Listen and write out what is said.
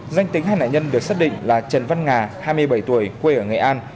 danh tính hai nạn nhân được xác định là trần văn nga hai mươi bảy tuổi quê ở nghệ an